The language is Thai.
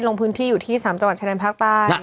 ลงพื้นที่อยู่ที่๓จังหวัดชายแดนภาคใต้